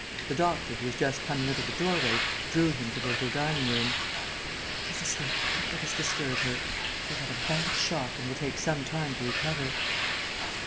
The doctor, who was just coming out of the doorway, drew him to the little dining room: "She's asleep, don't let us disturb her. She has had a bad shock and will take some time to recover."